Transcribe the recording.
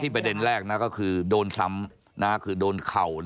ประเด็นแรกนะก็คือโดนซ้ำคือโดนเข่า